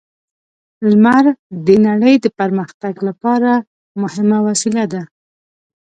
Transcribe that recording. لمر د نړۍ د پرمختګ لپاره مهمه وسیله ده.